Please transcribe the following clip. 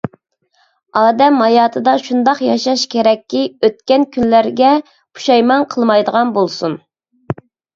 ئادەم ھاياتىدا شۇنداق ياشاش كېرەككى، ئۆتكەن كۈنلىرىگە پۇشايمان قىلمايدىغان بولسۇن!